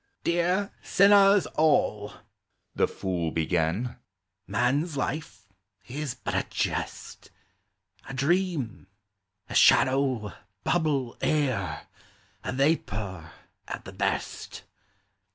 "Dear sinners all," the fool began, " man's life is but a jest, A dream, a shadow, bubble, air, a vapor at the best.